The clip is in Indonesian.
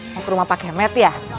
mau ke rumah pake med ya